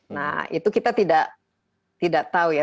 nah itu kita tidak tahu ya